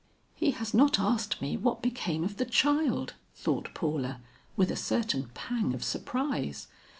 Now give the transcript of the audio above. "He has not asked me what became of the child," thought Paula, with a certain pang of surprise.